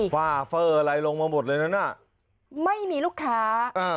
ฝ้าเฟอร์อะไรลงมาหมดเลยนั้นน่ะไม่มีลูกค้าอ่า